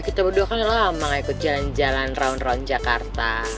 kita berdua kan lama lama gak ikut jalan jalan round round jakarta